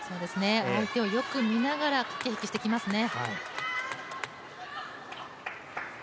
相手をよく見ながら駆け引きしてきますね。